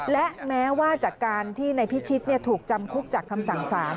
และแม้ว่าจากการที่ในพิชิตถูกจำคุกจากคำสั่งสาร